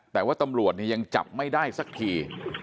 แต่ว่าตำรวจยังจับไม่ได้สักที